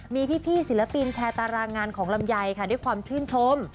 มีพี่ศิลปินแชร์ตารางงานของลำไยค่ะด้วยความชื่นชม